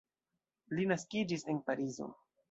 Li naskiĝis en Parizo.